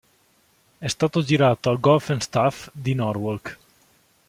È stato girato al Golf N' Stuff di Norwalk.